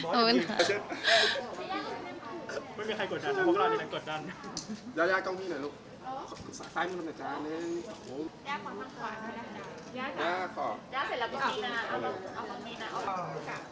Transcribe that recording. ขอบคุณค่ะ